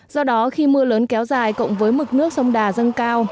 do đó khi mưa lớn kéo dài cộng với mực nước sông đà dâng cao